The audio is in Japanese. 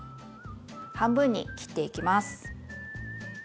半分に切っていきます。